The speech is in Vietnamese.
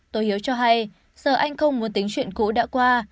tôi hiếu cho hay giờ anh không muốn tính chuyện cũ đã qua